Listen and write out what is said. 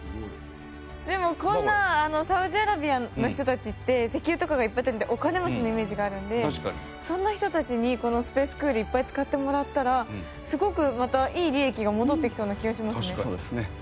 でもサウジアラビアの人たちって石油とかがいっぱいとれてお金持ちのイメージがあるのでそんな人たちにこのＳＰＡＣＥＣＯＯＬいっぱい使ってもらったらすごくまたいい利益が戻ってきそうな気がしますね。